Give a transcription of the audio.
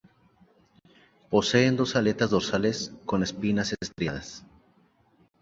Poseen dos aletas dorsales con espinas estriadas.